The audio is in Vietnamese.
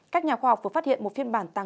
các nhà khoa học vừa phát hiện một phiên bản